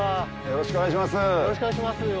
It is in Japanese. よろしくお願いします。